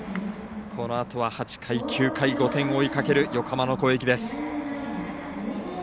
このあとは８回、９回５点を追いかける横浜の攻撃です。